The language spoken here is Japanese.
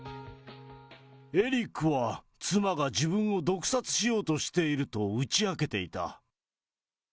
エリックは、妻が自分を毒殺しようとしていると打ち明けていた。